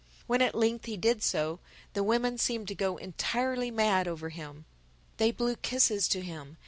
When at length he did so, the women seemed to go entirely mad over him. They blew kisses to him.